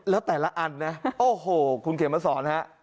แล้วแต่ละอันนะโอ้โหคุณเขียนมาสอนฮะ